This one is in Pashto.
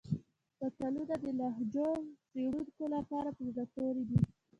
متلونه د لهجو څېړونکو لپاره په زړه پورې دي